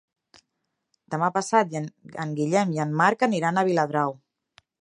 Demà passat en Guillem i en Marc aniran a Viladrau.